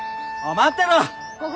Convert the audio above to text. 待ってろ！